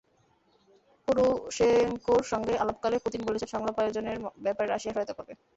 পোরোশেঙ্কোর সঙ্গে আলাপকালে পুতিন বলেছেন, সংলাপ আয়োজনের ব্যাপারে রাশিয়া সহায়তা করবে।